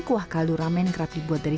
kuah kaldu ramen kerap dibuat dari